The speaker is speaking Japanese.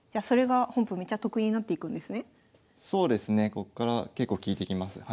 こっから結構きいてきます。